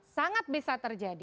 sangat bisa terjadi